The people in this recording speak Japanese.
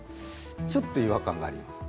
ちょっと違和感があります。